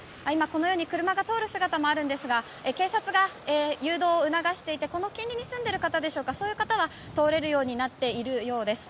今、車が通る姿もありますが警察が誘導を促していてこの近隣に住んでいる方でしょうかそういった方は通れるようになっているようです。